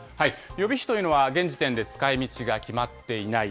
予備費というのは、現時点で使いみちが決まっていない。